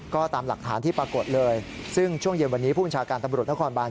ก็ตามหลักฐานที่ปรากฏเลยซึ่งช่วงเย็นวันนี้ผู้บัญชาการตำรวจนครบาน